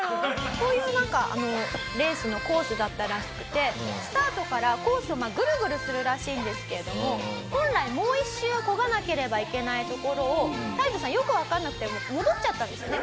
こういうなんかあのレースのコースだったらしくてスタートからコースをグルグルするらしいんですけれども本来もう一周こがなければいけないところをタイトさんよくわかんなくて戻っちゃったんですよね。